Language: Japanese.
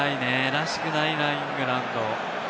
らしくないな、イングランド。